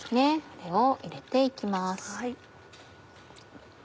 これを入れて行きます。